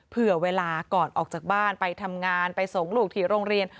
เผื่อเวลาก่อนออกจากบ้านไปทำงานไปส่งลูกที่โรงเรียน